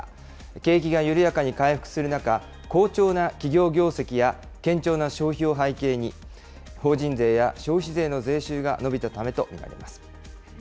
景気が緩やかに回復する中、好調な企業業績や堅調な消費を背景に、法人税や消費税の税収が伸びたためと見られます。